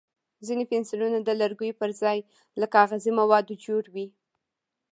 ځینې پنسلونه د لرګیو پر ځای له کاغذي موادو جوړ وي.